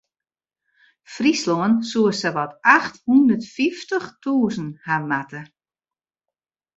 Fryslân soe sawat acht hûndert fyftich tûzen hawwe moatte.